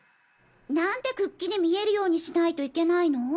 なんでくっきり見えるようにしないといけないの？